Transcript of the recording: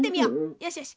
よしよし。